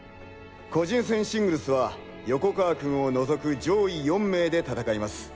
個人戦シングルスは横川君を除く上位４名で戦います。